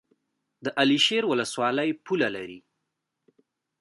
د علي شیر ولسوالۍ پوله لري